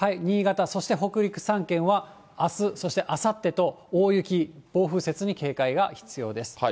新潟、そして北陸３県は、あす、そしてあさってと大雪、暴風雪に警戒が必要です。